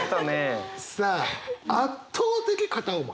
さあ圧倒的片思い。